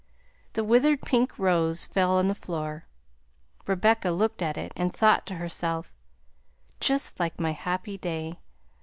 The withered pink rose fell on the floor. Rebecca looked at it and thought to herself, "Just like my happy day!"